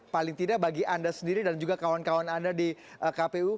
paling tidak bagi anda sendiri dan juga kawan kawan anda di kpu